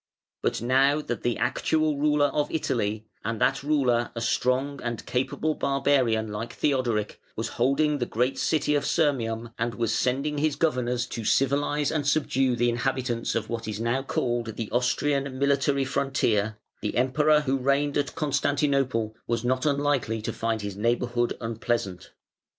But now that the actual ruler of Italy, and that ruler a strong and capable barbarian like Theodoric, was holding the great city of Sirmium, and was sending his governors to civilise and subdue the inhabitants of what is now called the "Austrian Military Frontier", the Emperor who reigned at Constantinople was not unlikely to find his neighbourhood unpleasant.